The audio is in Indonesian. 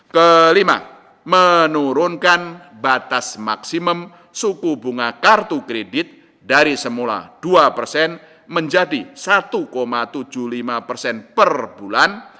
kelima menurunkan batas maksimum suku bunga kartu kredit dari semula dua persen menjadi satu tujuh puluh lima persen per bulan